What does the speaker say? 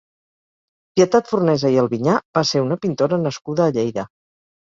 Pietat Fornesa i Albiñà va ser una pintora nascuda a Lleida.